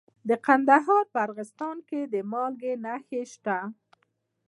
د کندهار په ارغستان کې د مالګې نښې شته.